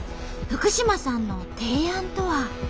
福嶋さんの提案とは。